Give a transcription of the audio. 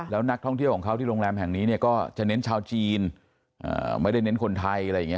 แล้วนักท่องเที่ยวของเขาที่โรงแรมแห่งนี้เนี่ยก็จะเน้นชาวจีนไม่ได้เน้นคนไทยอะไรอย่างนี้